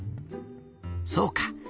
そうか。